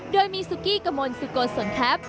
โดยมีซูกี้กะม่อนซูโกสสวนแคป